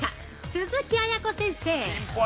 鈴木絢子先生。